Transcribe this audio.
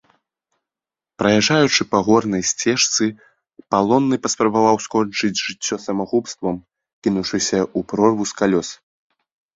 Праязджаючы па горнай сцежцы, палонны паспрабаваў скончыць жыццё самагубства, кінуўшыся ў прорву з калёс.